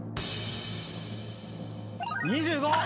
２５！